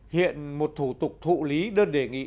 hiện một thủ tục thụ lý đơn đề nghị